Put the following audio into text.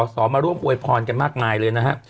สอบมาร่วมอวยพรกันมากมายเลยนะครับ